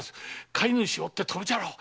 飼い主を追って飛ぶじゃろう。